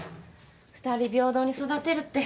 ２人平等に育てるって。